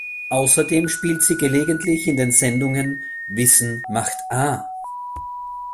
Außerdem spielt sie gelegentlich in den Sendungen "Wissen macht Ah!